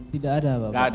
tidak ada bapak